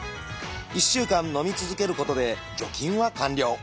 １週間のみ続けることで除菌は完了。